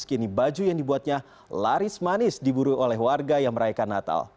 kini baju yang dibuatnya laris manis diburu oleh warga yang merayakan natal